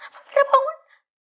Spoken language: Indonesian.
pak mir bangun